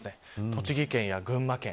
栃木県や群馬県